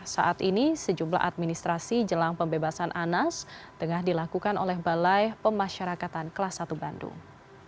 saat ini sejumlah administrasi jelang pembebasan anas tengah dilakukan oleh balai pemasyarakatan kelas satu bandung